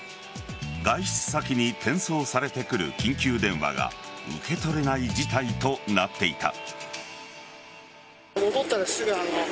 外出先に転送されてくる緊急電話が受け取れない事態となっていた。